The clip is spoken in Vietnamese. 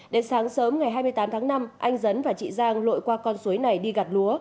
đến sáng sớm ngày hai mươi tám tháng năm anh dấn và chị giang lội qua con suối này đi gặt lúa